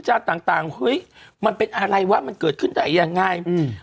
เห้ยมันเป็นอะไรวะมันเกิดขึ้นไหนยังไง